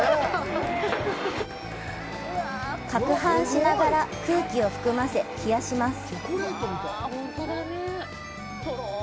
攪拌しながら空気を含ませ、冷やします。